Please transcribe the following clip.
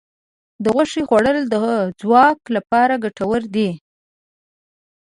د غوښې خوړل د ځواک لپاره ګټور دي.